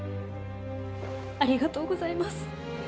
ありがとうございます。